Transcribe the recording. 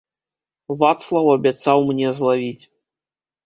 Вацлаў абяцаў мне злавіць.